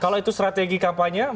kalau itu strategi kampanye